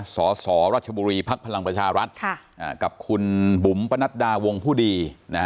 สสรัชบุรีภักดิ์พลังประชารัฐกับคุณบุ๋มปนัดดาวงผู้ดี